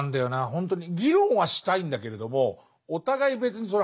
ほんとに議論はしたいんだけれどもお互い別にそれ